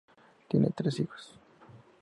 Tiene tres hijos.